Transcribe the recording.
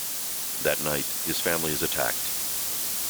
That night, his family is attacked.